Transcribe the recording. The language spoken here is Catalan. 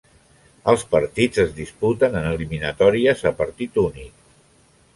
Els partits es disputen en eliminatòries a partit únic.